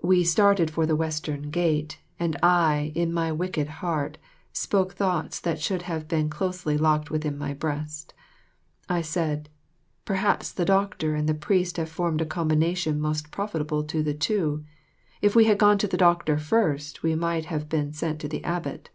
We started for the Western Gate, and I, in my wicked heart, spoke thoughts that should have been closely locked within my breast. I said, "Perhaps the doctor and the priest have formed a combination most profitable to the two. If we had gone to the doctor first, we might have been sent to the abbot."